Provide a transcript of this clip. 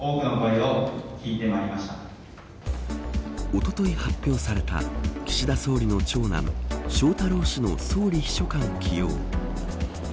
おととい発表された岸田総理の長男翔太郎氏の総理秘書官起用。